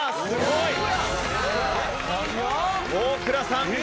すごい！